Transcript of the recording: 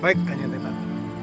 baik kak jantian